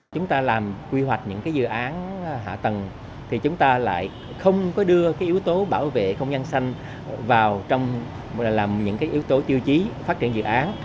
chúng ta làm quy hoạch những dự án hạ tầng thì chúng ta lại không có đưa yếu tố bảo vệ không gian xanh vào trong làm những yếu tố tiêu chí phát triển dự án